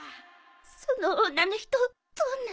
その女の人どんな？